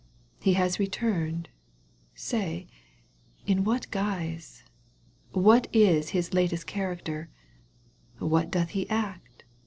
He has returned, say in what guise ? What is his latest character? What doth he act